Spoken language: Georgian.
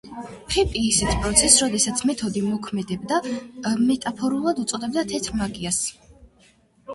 ფრიპი ასეთ პროცესს, როდესაც მეთოდი მოქმედებდა, მეტაფორულად უწოდებდა „თეთრ მაგიას“.